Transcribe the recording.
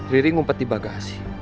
riri ngumpet di bagasi